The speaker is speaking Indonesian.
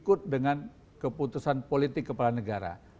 ikut dengan keputusan politik kepala negara